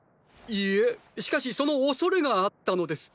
いいえしかしその恐れがあったのです。